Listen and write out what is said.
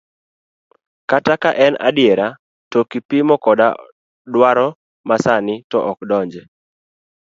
Kata ka en adiera, to kipimo koda dwaro masani, to ok donji.